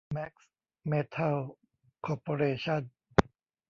แมกซ์ เมทัล คอร์ปอเรชั่น